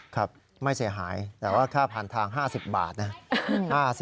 ครับไม่เสียหายแต่ว่าค่าพันทาง๕๐บาทนะ